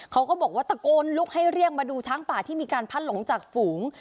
เขาก็บอกว่าตะโกนลุกให้เรียกมาดูช้างป่าที่มีการพัดหลงจากฝูง